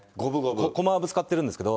駒はぶつかってるんですけど。